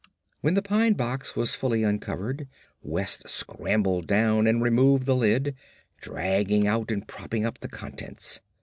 When the pine box was fully uncovered West scrambled down and removed the lid, dragging out and propping up the contents.